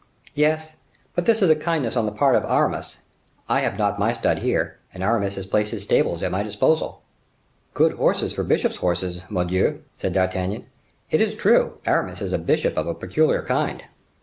"Yes; but this is a kindness on the part of Aramis. I have not my stud here, and Aramis has placed his stables at my disposal." "Good horses for bishop's horses, mordioux!" said D'Artagnan. "It is true, Aramis is a bishop of a peculiar kind."